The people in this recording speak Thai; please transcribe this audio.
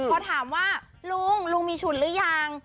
พอถามว่าลุงลุงมีฉุนหรือยัง